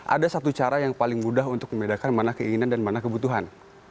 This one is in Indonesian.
ada satu cara yang paling mudah untuk membedakan mana keinginan dan mana kebutuhan